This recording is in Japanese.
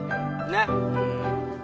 ねっ。